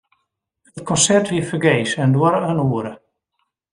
It konsert wie fergees en duorre in oere.